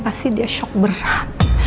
pasti dia shock berat